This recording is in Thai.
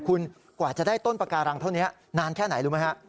คุณกว่าจะได้ต้นปาการังเท่านี้นานแค่ไหนรู้ไหมฮะ